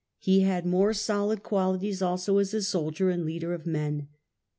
He had more solid qualities also as a soldier and leader of men.